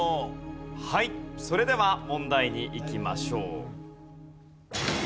はいそれでは問題にいきましょう。